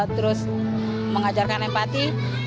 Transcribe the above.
terus mengajarkan empati